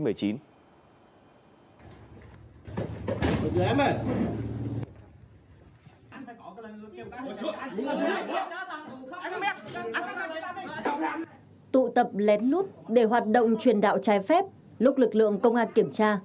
tụ tập lén lút để hoạt động truyền đạo trái phép lúc lực lượng công an kiểm tra